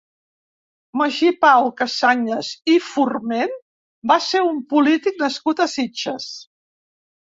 Magí Pau Cassanyes i Forment va ser un polític nascut a Sitges.